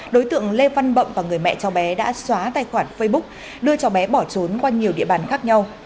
đối tượng lê văn bậm và người mẹ cháu bé đã xóa tài khoản facebook đưa cháu bé bỏ trốn qua nhiều địa bàn khác nhau